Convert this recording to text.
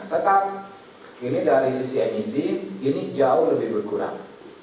tetap ini dari sisi emisi ini jauh lebih berkurang